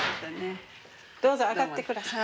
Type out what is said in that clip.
どうぞ上がって下さい。